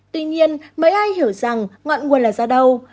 tuy nhiên mấy ai hiểu rằng ngọn nguồn là ra đâu